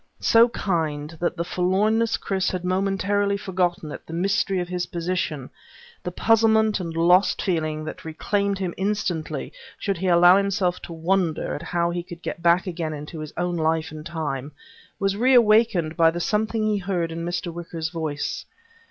So kind that the forlornness Chris had momentarily forgotten at the mystery of his position, the puzzlement and lost feeling that reclaimed him instantly should he allow himself to wonder at how he could get back again into his own life and time, was reawakened by the something he heard in Mr. Wicker's voice.